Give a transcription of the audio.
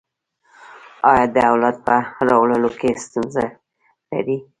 ایا د اولاد په راوړلو کې ستونزه لرئ؟